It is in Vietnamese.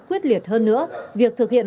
quyết liệt hơn nữa việc thực hiện